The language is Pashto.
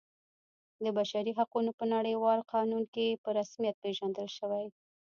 د بشري حقونو په نړیوال قانون کې په رسمیت پیژندل شوی.